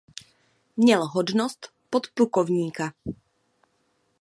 Měl hodnost podplukovníka.